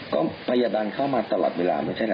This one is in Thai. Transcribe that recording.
ก็พยาบาลเข้ามาตลอดเวลาไม่ใช่นะ